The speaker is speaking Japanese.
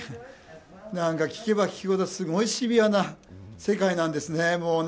何か聞けば聞くほどすごいシビアな世界なんですね。